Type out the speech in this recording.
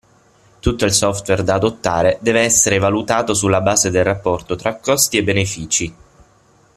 Tutto il software da adottare deve essere valutato sulla base del rapporto tra costi e benefici.